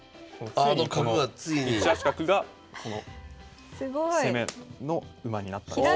ついにこの１八角が攻めの馬になったんですね。